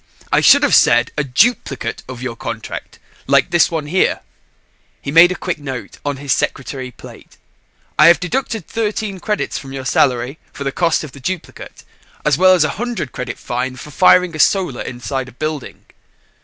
"I should have said a duplicate of your contract like this one here." He made a quick note on his secretary plate. "I have deducted 13 credits from your salary for the cost of the duplicate as well as a 100 credit fine for firing a Solar inside a building."